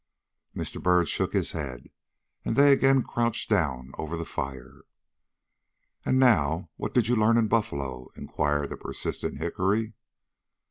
Mr. Byrd shook his head and they again crouched down over the fire. "And, now, what did you learn in Buffalo?" inquired the persistent Hickory.